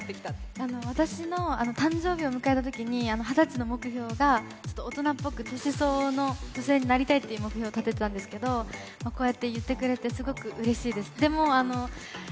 私の誕生日を迎えたときに、二十歳の目標が大人っぽく年相応の女性になりたいという目標を立ててたんですけど、こうやって言ってくれて、すごくうれしいです。